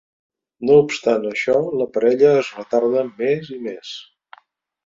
No obstant això, la parella es retarda més i més.